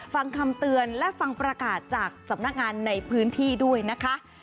ฟังคำเตือนและฟังประกาศจากสำนักงานในพื้นที่ด้วยนะคะ